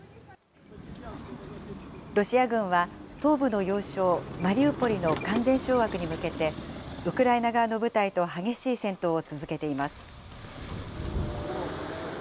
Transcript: ロシア軍は東部の要衝マリウポリの完全掌握に向けて、ウクライナ側の部隊と激しい戦闘を続けています。